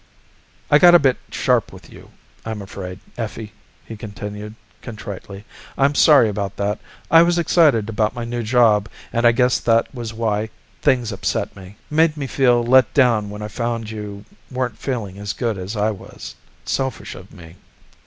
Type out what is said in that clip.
"I got a bit sharp with you, I'm afraid, Effie," he continued contritely. "I'm sorry about that. I was excited about my new job and I guess that was why things upset me. Made me feel let down when I found you weren't feeling as good as I was. Selfish of me.